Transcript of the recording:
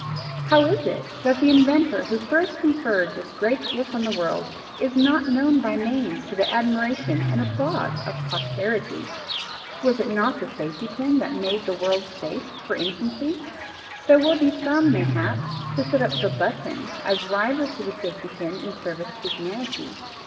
How is it that the inventor who first conferred this great gift on the world is not known by name for the admiration and applause of posterity? Was it not the safety pin that made the world safe for infancy? There will be some, mayhap, to set up the button as rival to the safety pin in service to humanity.